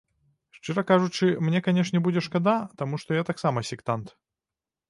Шчыра кажучы, мне канешне будзе шкада, таму што я таксама сектант.